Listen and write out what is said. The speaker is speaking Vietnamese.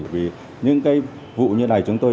vì những cái vụ như này chúng tôi